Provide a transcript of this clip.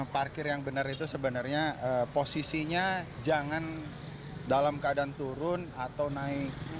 parkir yang benar itu sebenarnya posisinya jangan dalam keadaan turun atau naik